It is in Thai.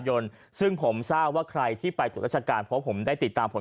ยนต์ซึ่งผมทราบว่าใครที่ไปจุดราชการเพราะผมได้ติดตามผล